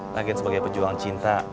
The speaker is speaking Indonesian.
lagi sebagai pejuang cinta